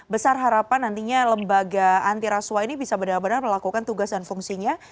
besar harapan nantinya lembaga antiraswa ini bisa benar benar melakukan tugas dan fungsinya